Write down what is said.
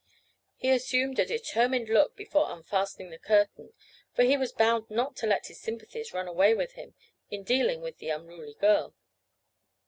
He assumed a determined look before unfastening the curtain, for he was bound not to let his sympathies run away with him in dealing with the unruly girl.